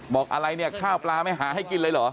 บอกอะไรเนี่ยข้าวปลาไม่หาให้กินเลยเหรอ